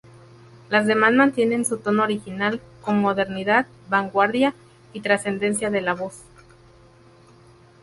Las demás mantiene su tono original, con modernidad, vanguardia y trascendencia de la voz.